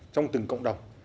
trong từng cộng đồng